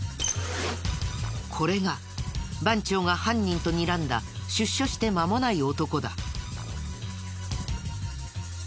これが番長が犯人とにらんだ出所して間もない男だ。